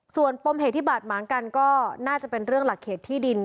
ส่วนปมเหตุที่บาดหมางกันก็น่าจะเป็นเรื่องหลักเขตที่ดิน